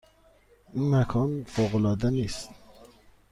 این مکان فوق العاده نیست؟